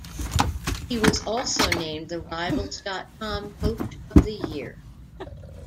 He was also named the Rivals dot com Coach of the Year.